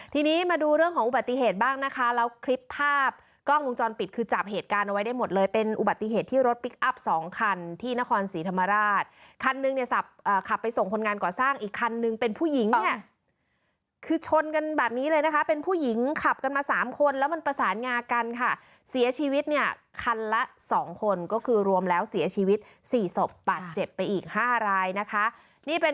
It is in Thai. ทีนี้มาดูเรื่องของอุบัติเหตุบ้างนะคะแล้วคลิปภาพกล้องวงจรปิดคือจับเหตุการณ์เอาไว้ได้หมดเลยเป็นอุบัติเหตุที่รถพลิกอัพสองคันที่นครสีธรรมราชคันนึงเนี่ยสับขับไปส่งคนงานก่อสร้างอีกคันนึงเป็นผู้หญิงเนี่ยคือชนกันแบบนี้เลยนะคะเป็นผู้หญิงขับกันมาสามคนแล้วมันประสานงากันค่ะเสียชีวิตเน